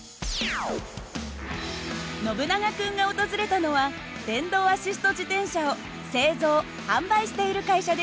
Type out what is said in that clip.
ノブナガ君が訪れたのは電動アシスト自転車を製造販売している会社です。